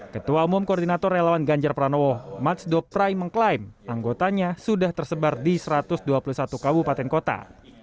ketua umum koordinator relawan ganjar pranowo matsdo prai mengklaim anggotanya sudah tersebar di satu ratus dua puluh satu kabupaten kota